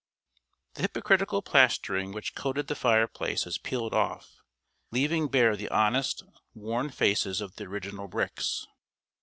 ] The hypocritical plastering which coated the fireplace has peeled off, leaving bare the honest, worn faces of the original bricks.